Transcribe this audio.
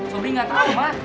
sobri gak tahu mak